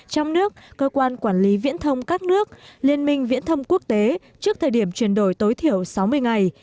trong nước cơ quan quản lý viễn thông các nước liên minh viễn thông quốc tế trước thời điểm chuyển đổi tối thiểu sáu mươi ngày